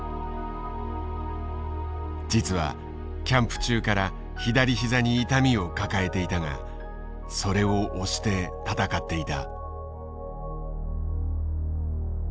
実はキャンプ中から左膝に痛みを抱えていたがそれを押して戦っていた。